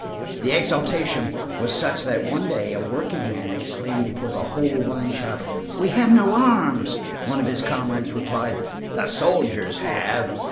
The exaltation was such that one day, a workingman exclaimed, before the whole wine shop: "We have no arms!" One of his comrades replied: "The soldiers have!"